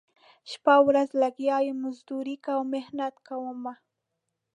شپه ورځ لګیا یم مزدوري کوم محنت کومه